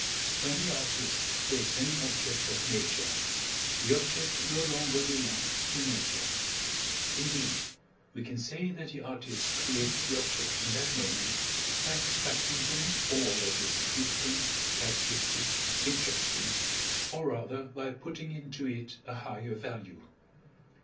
When the artist takes any object of Nature, the object no longer belongs to Nature; indeed, we can say that the artist creates the object in that moment, by extracting from it all that is significant, characteristic, interesting, or rather by putting into it a higher value.